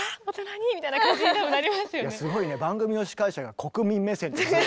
すごいね番組の司会者が国民目線という。